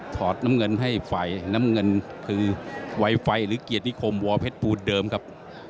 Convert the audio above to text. อดน้ำเงินให้ฝ่ายน้ำเงินคือไวไฟหรือเกียรตินิคมวอเพชรปูนเดิมครับ